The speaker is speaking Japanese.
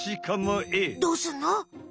どうすんの？